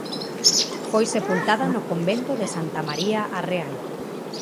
Foi sepultada no Convento de Santa María a Real.